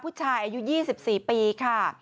ผู้ชายอายุ๒๔ปีค่ะ